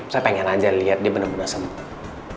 saya pengen aja liat dia bener bener sembuh